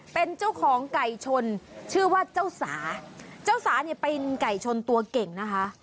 เป็นเจ้าของไก่ชนชื่อว่าเจ้าสาเจ้าสาเนี่ยเป็นไก่ชนตัวเก่งนะคะ